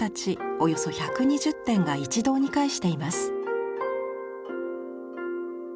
およそ１２０点が一堂に会しています。